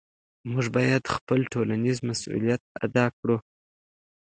موږ باید خپل ټولنیز مسؤلیت ادا کړو.